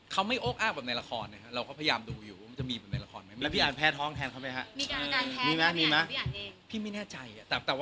ใช่ค่ะพี่อัญค่ะเขารู้หมดเลยว่าเรามีลูกแล้ว